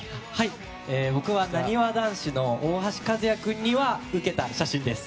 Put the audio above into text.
僕は、なにわ男子の大橋和也君にはウケた写真です。